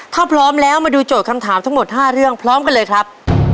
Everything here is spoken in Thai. ถ้าพร้อมแล้วมาดูโจทย์คำถามทั้งหมด๕เรื่องพร้อมกันเลยครับ